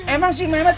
emang si mehmet